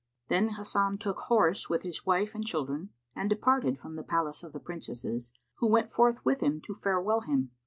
Then Hasan took horse with his wife and children and departed from the Palace of the Princesses, who went forth[FN#183] with him, to farewell him.